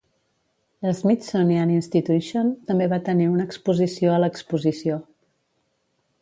La Smithsonian Institution també va tenir una exposició a l'exposició.